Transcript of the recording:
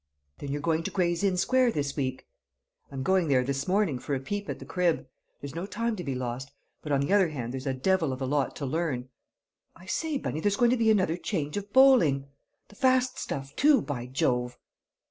"Then you're going to Gray's Inn Square this week?" "I'm going there this morning for a peep at the crib; there's no time to be lost, but on the other hand there's a devil of a lot to learn. I say, Bunny, there's going to be another change of bowling; the fast stuff, too, by Jove!"